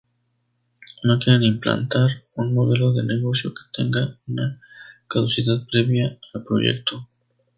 No quieren implantar un modelo de negocio que tenga una caducidad previa al proyecto.